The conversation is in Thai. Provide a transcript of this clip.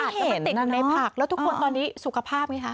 ก็ไปติดอยู่ในผักแล้วทุกคนตอนนี้สุขภาพไงคะ